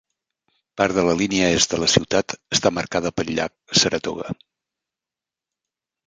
Part de la línia est de la ciutat està marcada pel llac Saratoga.